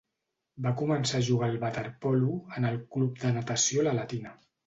Va començar a jugar al waterpolo en el Club de Natació La Latina.